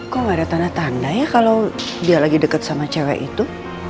kok gak ada tanda tanda ya kalau dia lagi dekat sama cewek itu